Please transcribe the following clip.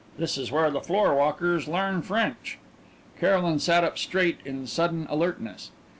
This is where the floorwalkers learn French." Caroline sat up straight in sudden alertness.